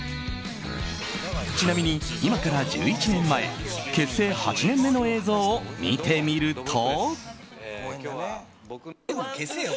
ちなみに、今から１１年前結成８年目の映像を見てみると。